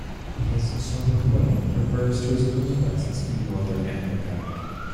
His sobriquet refers to his conquests in Northern Africa.